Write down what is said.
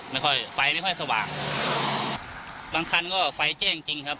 ไม่ค่อยไฟไม่ค่อยสว่างบางคันก็ไฟแจ้งจริงครับ